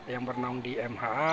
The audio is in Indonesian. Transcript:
yang bernama di mha